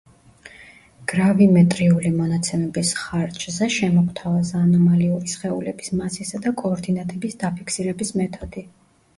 გრავიმეტრიული მონაცემების ხარჯზე შემოგვთავაზა ანომალიური სხეულების მასისა და კოორდინატების დაფიქსირების მეთოდი.